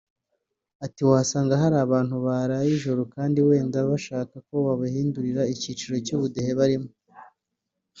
Ati “Wasangaga hari abantu baraye ijoro kandi wenda bashaka ko bahindurirwa icyiciro cy’ubudehe barimo